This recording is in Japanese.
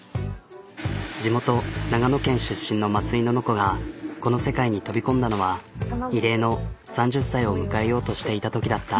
地元長野県出身の井のの子がこの世界に飛び込んだのは異例の３０歳を迎えようとしていたときだった。